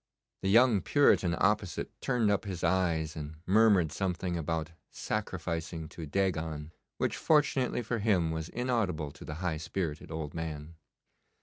The young Puritan opposite turned up his eyes and murmured something about 'sacrificing to Dagon,' which fortunately for him was inaudible to the high spirited old man.